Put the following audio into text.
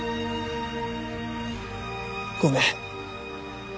ごめん。